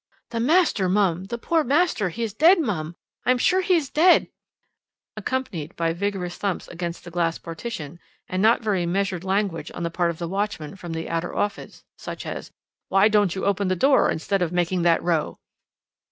"'The master, mum the poor master he is dead, mum I am sure he is dead!' accompanied by vigorous thumps against the glass partition, and not very measured language on the part of the watchman from the outer office, such as 'Why don't you open the door instead of making that row?'